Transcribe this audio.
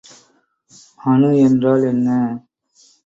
அணு என்றால் என்ன?